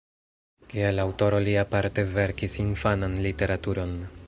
Kiel aŭtoro li aparte verkis infanan literaturon.